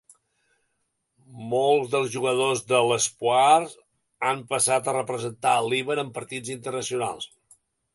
Molts dels jugadors de l'Espoirs han passat a representar el Líban en partits internacionals.